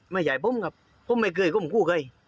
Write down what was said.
ไม่ใช่ผมครับผมไม่เคยก้มคู่ใคร